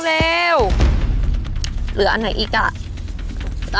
เหลืออันไหนอีกอ่ะ